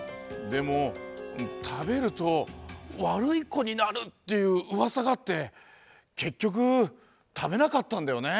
でもたべると「わるいこになる」っていううわさがあってけっきょくたべなかったんだよね。